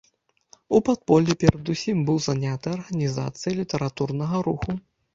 У падполлі перадусім быў заняты арганізацыяй літаратурнага руху.